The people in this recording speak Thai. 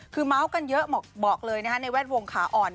คือเม้ากันเยอะบอกเลยนะคะในแว่นวงขาหอด